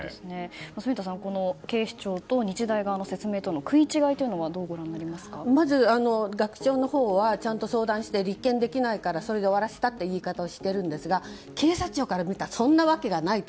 住田さん、警視庁と日大側の説明の食い違いというのはまず学長のほうはちゃんと相談して立件できないからそれで終わらせたという言い方をしているんですが警察庁から見たらそんな訳がないと。